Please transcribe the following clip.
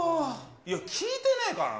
いや、聞いてないからな。